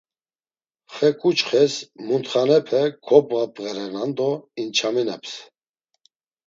Xe k̆uçxes muntxanepe kogvabğeren do inçaminaps.